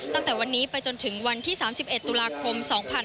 ตั้งแต่วันนี้ไปจนถึงวันที่๓๑ตุลาคม๒๕๕๙